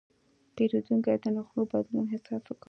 پیرودونکی د نرخونو بدلون احساس کړ.